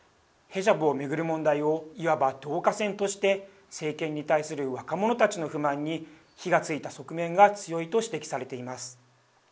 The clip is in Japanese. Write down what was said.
ヘジャブを巡る問題をいわば導火線として政権に対する若者たちの不満に火がついた側面が強いと指摘されています。